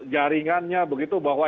jaringannya begitu bahwa